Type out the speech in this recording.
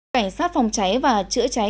cảnh sát phòng cháy và chữa cháy